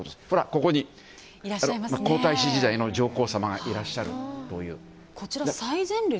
ここに、皇太子時代の上皇さまがいらっしゃるという。